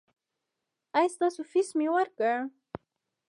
ایا ستاسو فیس مې ورکړ؟